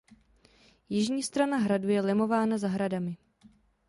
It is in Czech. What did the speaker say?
Jižní strana hradu je lemována zahradami.